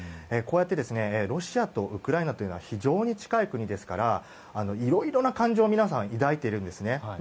こうやってロシアとウクライナというのは非常に近い国ですからいろいろな感情を抱いているんですね。